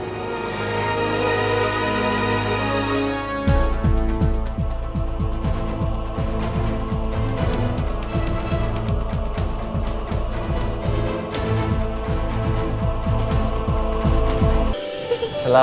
nggak usah viktig